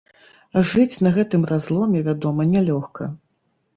А жыць на гэтым разломе, вядома, нялёгка.